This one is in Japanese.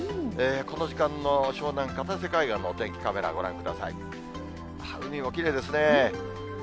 この時間の湘南・片瀬海岸のお天気カメラ、ご覧ください。